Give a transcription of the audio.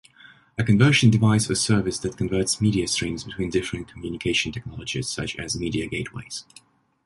A conversion device or service that converts media streams between different communication technologies, such as media gateways.